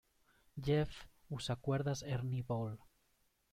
Jeff usa cuerdas Ernie Ball.